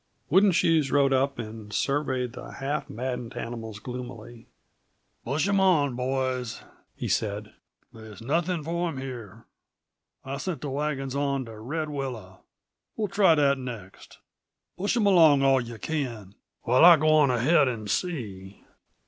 Wooden Shoes rode up and surveyed the half maddened animals gloomily. "Push 'em on, boys," he said. "They's nothings for 'em here. I've sent the wagons on to Red Willow; we'll try that next. Push 'em along all yuh can, while I go on ahead and see."